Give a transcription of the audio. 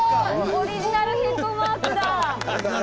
オリジナルヘッドマークだ！